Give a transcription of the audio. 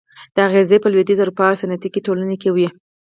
دا اغېزې په لوېدیځه اروپا کې صنعتي ټولنې کې وې.